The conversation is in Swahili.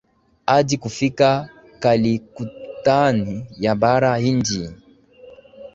hadi kufika Calicutndani ya bara Hindi